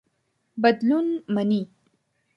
بدلون مني.